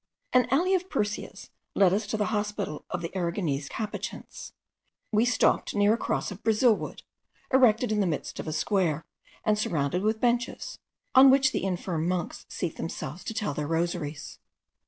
An alley of perseas led us to the Hospital of the Aragonese Capuchins. We stopped near a cross of Brazil wood, erected in the midst of a square, and surrounded with benches, on which the infirm monks seat themselves to tell their rosaries.